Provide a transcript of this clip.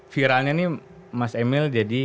viralnya ini mas emil jadi